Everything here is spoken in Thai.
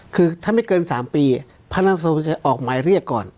คือถ้าไม่เกินสามปีพระนักสอบส่วนจะออกหมายเรียกก่อน